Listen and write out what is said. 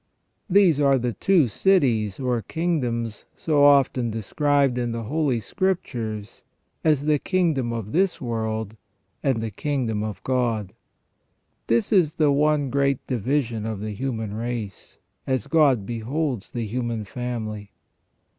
These are the two cities or kingdoms, so often described in the Holy Scriptures as the kingdom of this world and the kingdom of God. This is the one great division of the human race, as God beholds the human family.